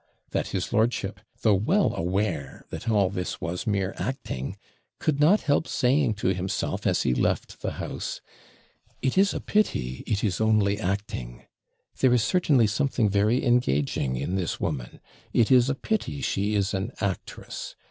that his lordship, though well aware that all this was mere acting, could not help saying to himself as he left the house: 'It is a pity it is only acting. There is certainly something very engaging in this woman. It is a pity she is an actress.